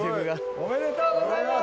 おめでとうございます。